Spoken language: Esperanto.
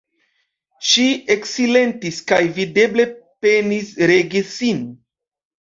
Ŝi eksilentis kaj videble penis regi sin.